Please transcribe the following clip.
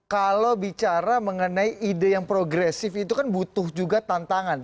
kalau bicara mengenai ide yang progresif itu kan butuh juga tantangan